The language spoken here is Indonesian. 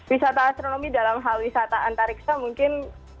wisata astronomi dalam hal wisata antariksa mungkin